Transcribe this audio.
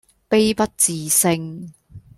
悲不自勝